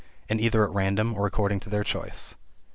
And either at random, or according to their own choice.)